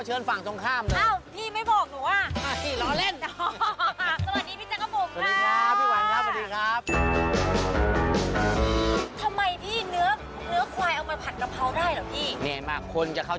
ได้ข่าวว่าแถวนี้มีกะเพราขวายขาย